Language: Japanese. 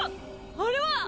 あれはっ！